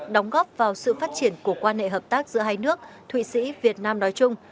đóng góp vào sự phát triển của quan hệ hợp tác giữa hai nước thụy sĩ việt nam nói chung